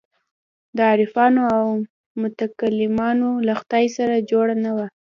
د عارفانو او متکلمانو له خدای سره جوړ نه وو.